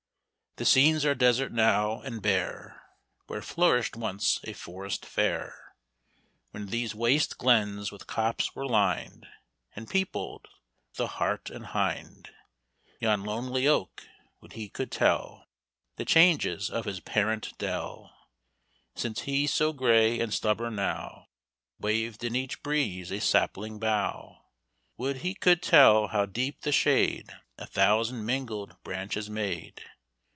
"The scenes are desert now, and bare, Where flourished once a forest fair, When these waste glens with copse were lined, And peopled with the hart and hind. Yon lonely oak, would he could tell The changes of his parent dell, Since he, so gray and stubborn now, Waved in each breeze a sapling bough. Would he could tell how deep the shade A thousand mingled branches made.